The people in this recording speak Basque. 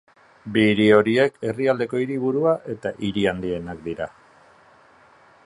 Bi hiri horiek, herrialdeko hiriburua eta hiri handienak dira.